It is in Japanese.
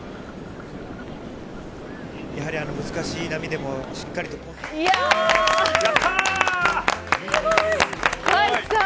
やはり難しい波でも、しっかいやー。